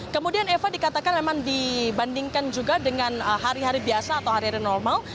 kemudian eva dikatakan memang dibandingkan juga dengan hari hari biasa atau hari hari normal